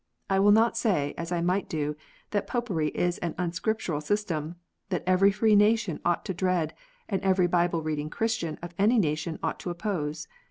I will not say, as I might do, that Popery is an unscriptural system, which every free nation ought to dread, and every Bible reading Christian of any nation ought to oppose.